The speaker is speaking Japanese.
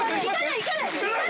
行かない？